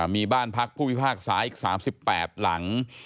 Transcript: มีบ้านพักผู้พิพากษาอีก๓๘หลัง